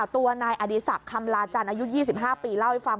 ตัวนายอดีศักดิ์คำลาจันทร์อายุ๒๕ปีเล่าให้ฟัง